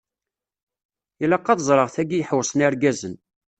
Ilaq ad ẓreɣ tagi iḥewwṣen irgazen.